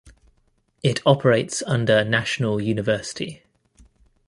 It operates under National University.